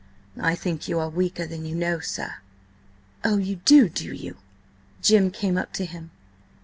"I think ye are weaker than ye know, sir." "Oh, you do, do you?" Jim came up to him.